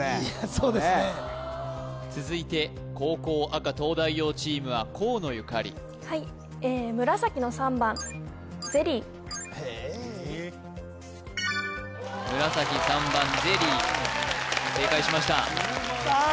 そうですね続いて後攻赤東大王チームは河野ゆかりはいえー紫３番ゼリー正解しましたさあ